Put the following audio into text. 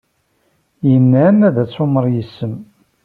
Yemma-m ad tumar yes-m.